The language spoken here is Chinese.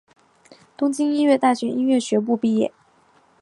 东京音乐大学音乐学部毕业。